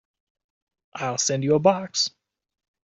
I'll send you a box.